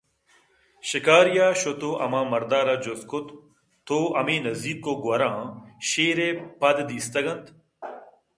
شِکاری ءَ شُت ءُ ہما مرد ءَ را جُست کُت تو ہمے نِزّیک ءُ گوٛراں شیر ءِ پد دِیستگ اَنت